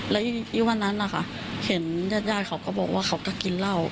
แล้ววันนั้นนะคะเห็นญาติญาติเขาก็บอกว่าเขาก็กินเหล้า